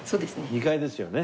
２階ですよね。